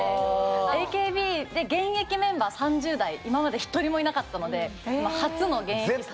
ＡＫＢで現役メンバー３０代今まで一人もいなかったので今初の現役３０。